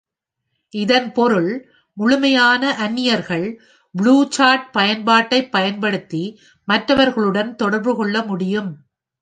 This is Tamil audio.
இதன் பொருள் முழுமையான அந்நியர்கள் புளூசாட் பயன்பாட்டைப் பயன்படுத்தி மற்றவர்களுடன் தொடர்பு கொள்ள முடியும்.